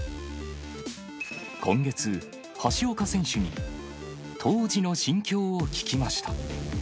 今月、橋岡選手に、当時の心境を聞きました。